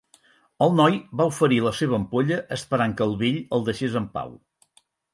El noi va oferir la seva ampolla, esperant que el vell el deixés en pau.